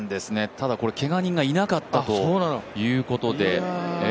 ただ、これけが人がいなかったということで。